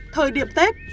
thời điểm tết